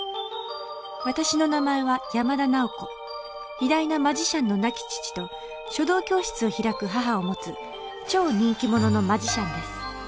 偉大なマジシャンの亡き父と書道教室を開く母を持つ超人気者のマジシャンです